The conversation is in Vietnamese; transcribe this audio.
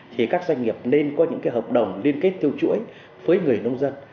thì các doanh nghiệp nên có những hợp đồng liên kết theo chuỗi với người nông dân